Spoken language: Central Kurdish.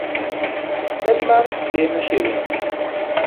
سەرمان لێ مەشێوێنن.